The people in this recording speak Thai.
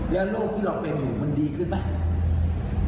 แล้วโรคที่เราเป็นอยู่มันดีขึ้นไหม